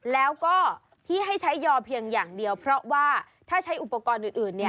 แล้วก็ที่ให้ใช้ยอเพียงอย่างเดียวเพราะว่าถ้าใช้อุปกรณ์อื่น